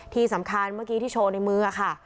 ที่สำคัญเมื่อกี้ที่โชว์ในมือค่ะ